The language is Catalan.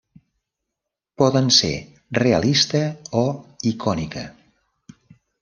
Poden ser realista o icònica.